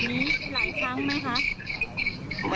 นายเคยมีพฤติกรรมแบบนี้หลายครั้งไหมคะ